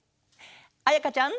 あやかちゃん。